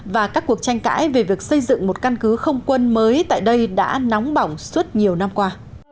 và các cuộc tranh cãi về việc xây dựng một căn cứ không quân mới tại đây đã nóng bỏng suốt nhiều năm qua